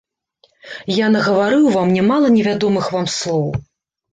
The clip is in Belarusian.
Я нагаварыў вам нямала невядомых вам слоў.